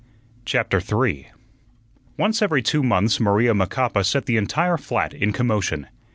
CHAPTER 3 Once every two months Maria Macapa set the entire flat in commotion.